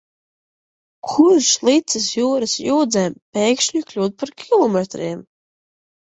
Kurš licis jūras jūdzēm pēkšņi kļūt par kilometriem?